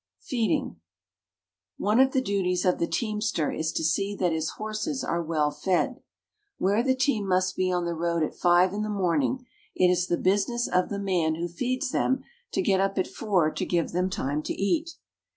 FEEDING. One of the duties of the teamster is to see that his horses are well fed. Where the team must be on the road at five in the morning it is the business of the man who feeds them to get up at four to give them time to eat.